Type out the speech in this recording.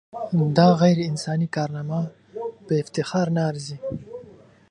دا غیر انساني کارنامه په افتخار نه ارزي.